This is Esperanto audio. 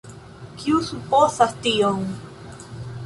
Kiu supozas tion?